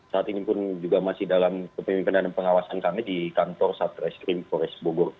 saat ini pun juga masih dalam pemimpinan pengawasan kami di kantor satreskrim polres bogor